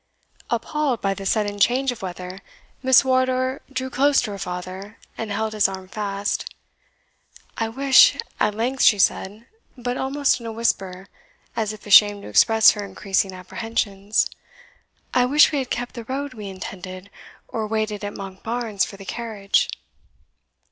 Appalled by this sudden change of weather, Miss Wardour drew close to her father, and held his arm fast. "I wish," at length she said, but almost in a whisper, as if ashamed to express her increasing apprehensions, "I wish we had kept the road we intended, or waited at Monkbarns for the carriage."